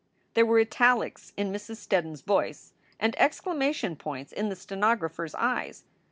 There were italics in Mrs. Steddon s voice and exclamation points in the stenographer s eyes.